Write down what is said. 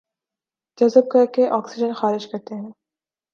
جذب کرکے آکسیجن خارج کرتے ہیں